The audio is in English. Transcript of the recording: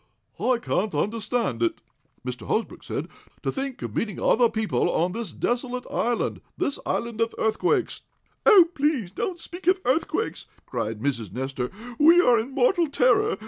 "I can't understand it," Mr. Hosbrook said. "To think of meeting other people on this desolate island this island of earthquakes." "Oh, please don't speak of earthquakes!" cried Mrs. Nestor. "We are in mortal terror!